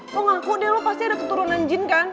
kok ngaku deh lo pasti ada keturunan jin kan